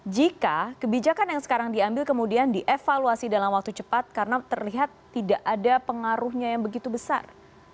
jika kebijakan yang sekarang diambil kemudian dievaluasi dalam waktu cepat karena terlihat tidak ada pengaruhnya yang begitu besar